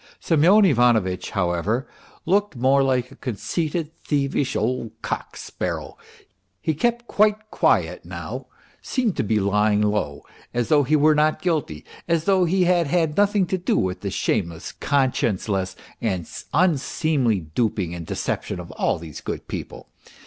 ... Sernyon Ivanovitch, however, looked more like a 288 MR. PROHARTCHIN conceited, thievish old cock sparrow. He kept quite quiet now, seemed to be lying low, as though he were not guilty, as though he had had nothing to do with the shameless, conscienceless, and unseemly duping and deception of all these good people.